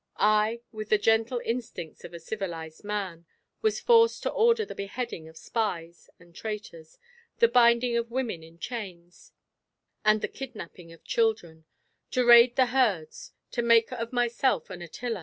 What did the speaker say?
I, with the gentle instincts of a civilized man, was forced to order the beheading of spies and traitors, the binding of women in chains and the kidnapping of children, to raid the herds, to make of myself an Attila.